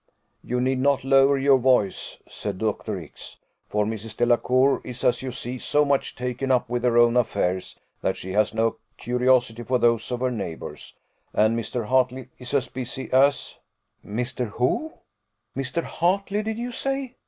"You need not lower your voice," said Dr. X , "for Mrs. Delacour is, as you see, so much taken up with her own affairs, that she has no curiosity for those of her neighbours; and Mr. Hartley is as busy as " "Mr. who? Mr. Hartley did you say?"